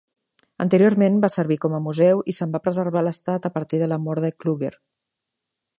Anteriorment va servir com a museu i se'n va preservar l'estat a partir de la mort de Kluger.